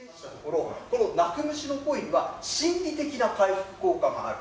鳴く虫の声には心理的な回復効果があると。